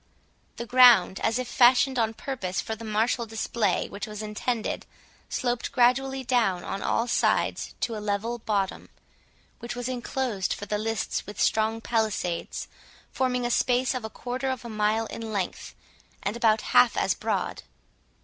The ground, as if fashioned on purpose for the martial display which was intended, sloped gradually down on all sides to a level bottom, which was enclosed for the lists with strong palisades, forming a space of a quarter of a mile in length, and about half as broad.